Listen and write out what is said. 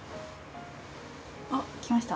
あっきました。